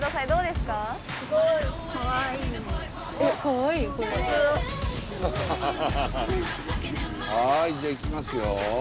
すごいはいじゃあ行きますよ。